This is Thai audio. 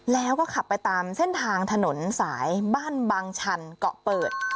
แล้วก็ขับไปตามเส้นทางถนนสายบ้านบางชันเกาะเปิด